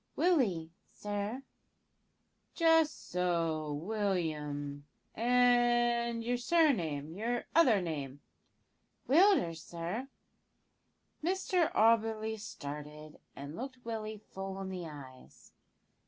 "Willie, sir." "Just so, William; and your surname your other name?" "Willders, sir." Mr Auberly started, and looked Willie full in the eyes.